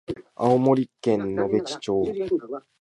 青森県野辺地町